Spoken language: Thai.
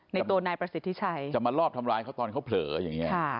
ในตัวนายประสิทธิชัยจะมารอบทำร้ายเขาตอนเขาเผลออย่างนี้